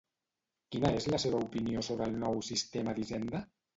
Quina és la seva opinió sobre el nou sistema d'Hisenda?